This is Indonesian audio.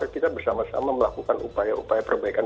kita bersama sama melakukan upaya upaya perbaikan